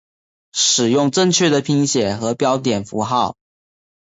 使用正确的拼写和标点符号